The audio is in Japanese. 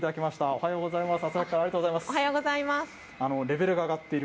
おはようございます。